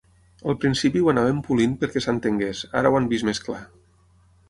Al principi ho anàvem polint perquè s’entengués, ara ho han vist més clar.